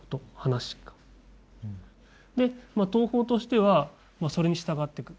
で東宝としてはそれに従ってく。